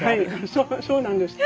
そうなんです。